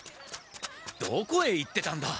どこへ行ってたんだ？